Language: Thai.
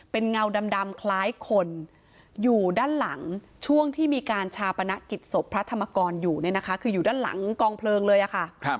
เป็นเงาดำคล้ายคนอยู่ด้านหลังช่วงที่มีการชาปนกิจศพพระธรรมกรอยู่เนี่ยนะคะคืออยู่ด้านหลังกองเพลิงเลยค่ะ